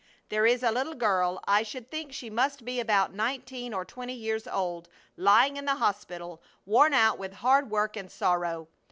There is a little girl I should think she must be about nineteen or twenty years old lying in the hospital, worn out with hard work and sorrow.